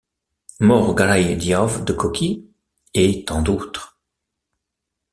Mor Galaye Diaw de Koki et tant d’autres.